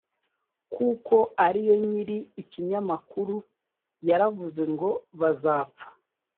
kuko ariyo nyiri ikinyamakuru yaravuzengo bazapfa